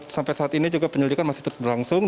sampai saat ini juga penyelidikan masih terus berlangsung